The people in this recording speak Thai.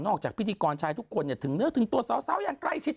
นอกจากพิธีกรชายทุกคนเนี่ยถึงเนื้อถึงตัวเศร้ายังใกล้ชิด